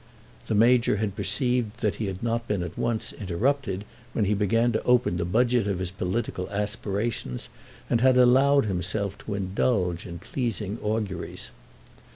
The Major had perceived that he had not been at once interrupted when he began to open the budget of his political aspirations, and had allowed himself to indulge in pleasing auguries.